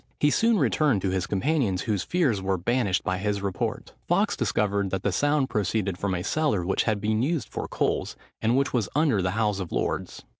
He soon returned to his companions, whose fears were banished by his report. Fawkes discovered that the sound proceeded from a cellar, which had been used for coals, and which was under the House of Lords.